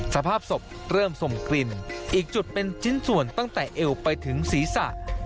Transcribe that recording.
สภาพศพเริ่มส่งกลิ่นอีกจุดเป็นชิ้นส่วนตั้งแต่เอวไปถึงศีรษะ